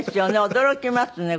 驚きますね